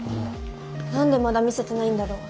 何でまだ見せてないんだろう。